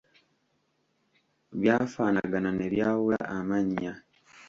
Byafaanagana ne byawula amannya.